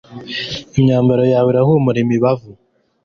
imyambaro yawe irahumura imibavu